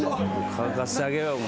乾かしてあげよう。